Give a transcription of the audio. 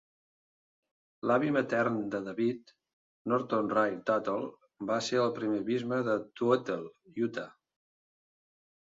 L'avi matern de David, Norton Ray Tuttle, va ser el primer bisbe de Tooele, Utah.